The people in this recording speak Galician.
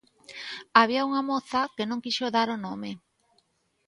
Había unha moza que non quixo dar o nome.